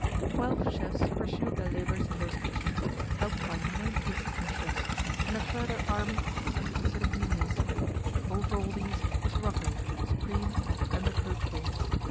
Twelve chefs pursued their labours in those kitchens, helped by ninety assistant chefs, and a further army of unconsidered menials. Over all these was Rocco, supreme and unapproachable.